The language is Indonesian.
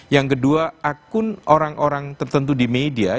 yang kedua akun orang orang tertentu di media